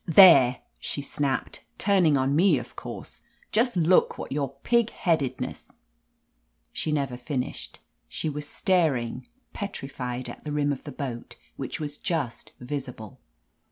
"There!" she snapped, turning on me, o£ course. "Just look what your pig headed ness —" She never finished. She was staring, petri fied, at the rim of the boat, which was just visible.